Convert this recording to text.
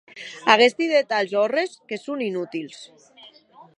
Aguesti detalhs òrres que son inutils.